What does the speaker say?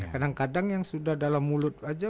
kadang kadang yang sudah dalam mulut aja